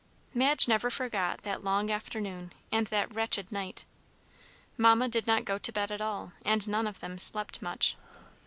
Madge never forgot that long afternoon and that wretched night. Mamma did not go to bed at all, and none of them slept much.